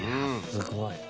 すごい。